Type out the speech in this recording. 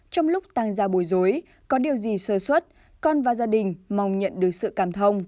trong lúc tăng ra bồi dối có điều gì sơ xuất con và gia đình mong nhận được sự cảm thông